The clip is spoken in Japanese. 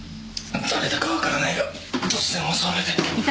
誰だかわからないが突然襲われて。